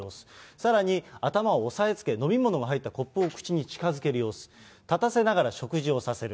さらに頭を押さえつけ、飲み物の入ったコップを口に近づける様子、立たせながら食事をさせる。